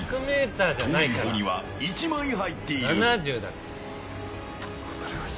遠いほうには１枚入っている。